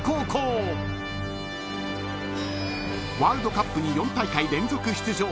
［ワールドカップに４大会連続出場］